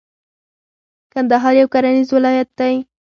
کندهار یو کرنیز ولایت دی.